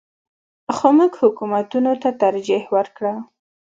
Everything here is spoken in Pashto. خو موږ حکومتونو ته ترجیح ورکړه.